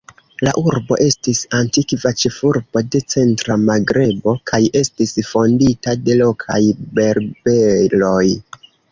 La urbo estis antikva ĉefurbo de centra Magrebo, kaj estis fondita de lokaj Berberoj.